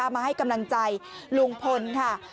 มาให้กำลังใจลุงพลค่ะ